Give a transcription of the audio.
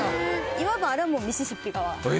いわばあれはもうミシシッピ河。